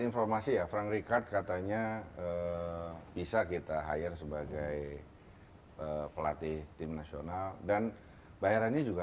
informasi ya frank richard katanya bisa kita hire sebagai pelatih tim nasional dan bayarannya juga